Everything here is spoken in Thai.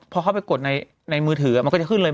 พอเข้าไปกดในมือถือมันก็จะขึ้นเลย